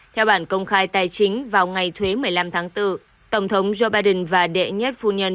theo bản công khai tài chính vào ngày thuế một mươi năm tháng bốn tổng thống joe biden và đệ nhất phu nhân